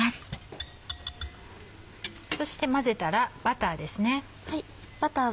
そして混ぜたらバターですね。